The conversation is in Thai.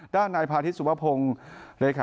ด้านนายพาธิสุพพงศ์เลยค่ะ